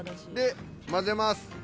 で混ぜます。